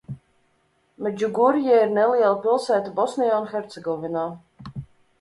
Medžugorje ir neliela pilsēta Bosnijā un Hercegovinā.